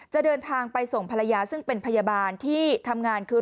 จะเดินทางไปส่งภรรยาซึ่งเป็นพยาบาลที่ทำงานคือ